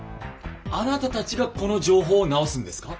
あなたたちがこの情報を直すんですか？